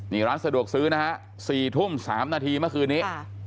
นี่ร้านสะดวกซื้อนะฮะ๔ทุ่ม๓นาทีเมื่อคืนนี้